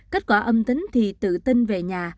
kết quả âm tính thì tự tin về nhà